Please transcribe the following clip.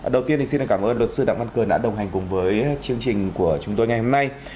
đầu tiên thì xin cảm ơn luật sư đặng văn cường đã đồng hành cùng với chương trình của chúng tôi ngày hôm nay